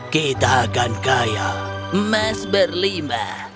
kita akan kaya emas berlima